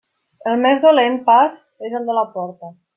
El més dolent pas és el de la porta.